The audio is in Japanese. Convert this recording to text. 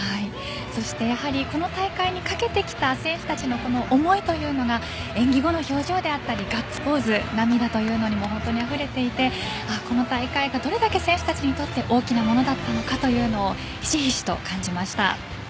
そして、この大会にかけてきた選手たちの思いというのが演技後の表情であったりガッツポーズ、涙というのにも本当にあふれていてこの大会がどれだけ選手たちにとって大きなものだったのかというのをひしひしと感じました。